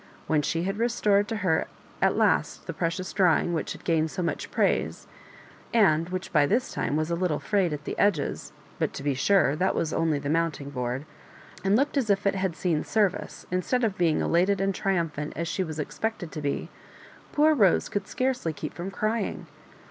When she had restored to her at last the precious drawing which had gained so much praise, and which, by this time, was t little frayed at the edges (but, to be sure, that was only the mounting board), and looked as if it had seen service, instead of being elated and triumphant as she was expected to be, poor Rose oould scarcely keep from cry ing.